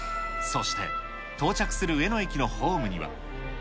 そして、到着する上野駅のホームには。